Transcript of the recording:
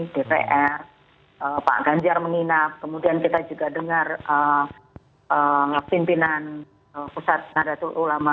dpr pak ganjar menginap kemudian kita juga dengar pimpinan pusat nahdlatul ulama